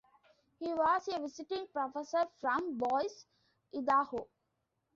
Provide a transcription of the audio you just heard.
He was a visiting professor from Boise, Idaho.